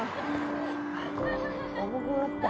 重くなった？